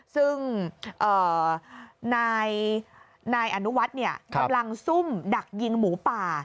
ซึ่งนายอนุวัฒน์กำลังซุ่มดักยิงหมูป่า